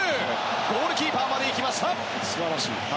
ゴールキーパーまでいきました。